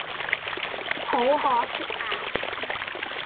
好可惜呀